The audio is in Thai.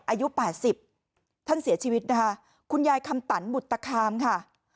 อายุ๘๐ท่านเสียชีวิตนะคะคุณยายคำตันบุตตคามค่ะ